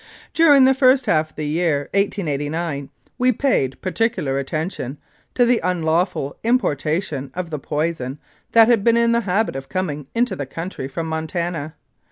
During the first half of the year 1889 we paid par ticular attention to the unlawful importation of the poison that had been in the habit of coming into the country from Montana.